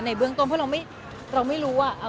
เบื้องต้นเพราะเราไม่รู้ว่า